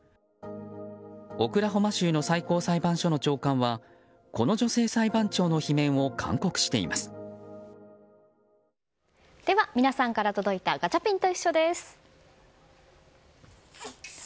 オクラホマ州の最高裁判所の長官は、この女性裁判長の罷免をでは、皆さんから届いたガチャピンといっしょ！です。